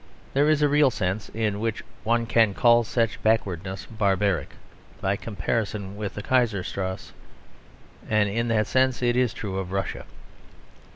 There is a real sense in which one can call such backwardness barbaric; by comparison with the Kaiserstrasse; and in that sense it is true of Russia.